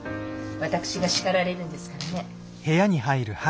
私が叱られるんですからね。